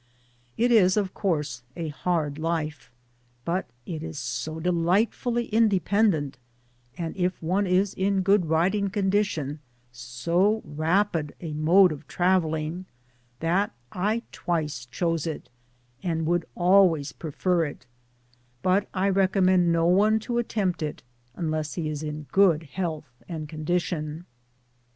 It is, of course, a hard life ; but it is so delight fully independent, and if one is in good riding con« B Digitized byGoogk 60 MODE OF TRAVELLING* didoD, SO rapid a mode of travelling, that I twice chose It, and would always prefer it ; but I re commend no one to attempt it, unless he is in good health and condition.